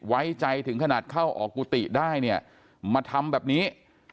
ไว้ใจถึงขนาดเข้าออกกุฏิได้เนี่ยมาทำแบบนี้